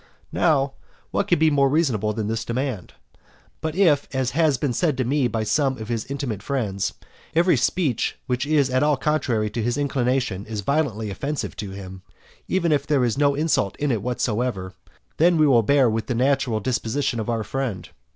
Now, what can be more reasonable than this demand? But if, as has been said to me by some of his intimate friends, every speech which is at all contrary to his inclination is violently offensive to him, even if there be no insult in it whatever; then we will bear with the natural disposition of our friend.